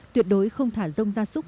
tuyệt đối không thả rông gia súc